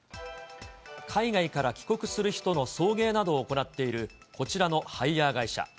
海外から帰国する人の送迎などを行っているこちらのハイヤー会社。